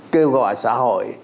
kêu gọi xã hội